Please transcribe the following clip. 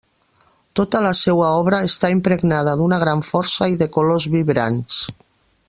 Tota la seua obra està impregnada d'una gran força i de colors vibrants.